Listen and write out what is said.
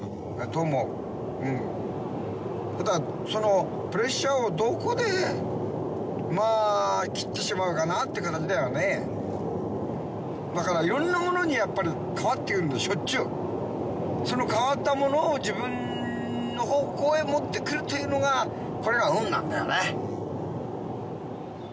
うんただそのプレッシャーをどこでまあ切ってしまうかなって形だよねだからいろんなものにやっぱり変わってくんだしょっちゅうその変わったものを自分の方向へ持ってくるというのがこれが運なんだよね